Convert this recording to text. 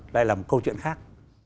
lại là một câu chuyện khác